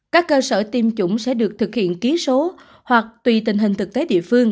các cơ sở tiêm chủng sẽ được thực hiện ký số hoặc tùy tình hình thực tế địa phương